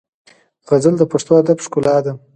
غزل د پښتو ادب ښکلا ده.